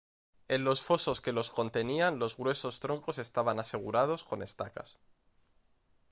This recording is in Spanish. En los fosos que los contenían, los gruesos troncos estaban asegurados con estacas.